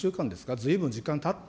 ずいぶん時間たって、